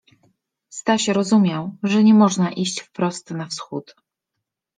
Staś rozumiał, że nie można iść wprost na wschód.